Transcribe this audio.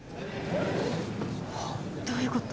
どういうこと？